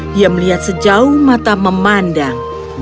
dia melihat sejauh mata memandang